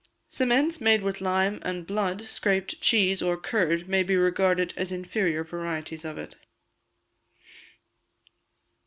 Cements made with lime and blood, scraped cheese, or curd, may be regarded as inferior varieties of it.